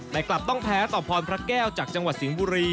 แต่กลับต้องแพ้ต่อพรพระแก้วจากจังหวัดสิงห์บุรี